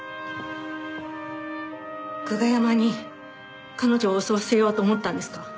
久我山に彼女を襲わせようと思ったんですか？